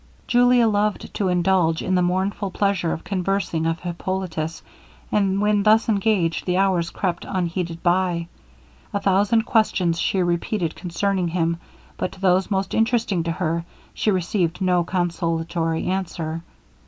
Julia loved to indulge in the mournful pleasure of conversing of Hippolitus, and when thus engaged, the hours crept unheeded by. A thousand questions she repeated concerning him, but to those most interesting to her, she received no consolatory answer.